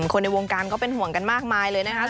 คนในวงการก็เป็นห่วงกันมากมายเลยนะครับ